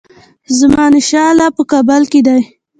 زمانشاه لا په کابل کې دی.